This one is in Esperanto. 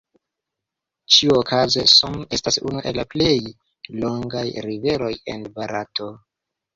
Ĉiuokaze Son estas unu el la plej longaj riveroj en Barato.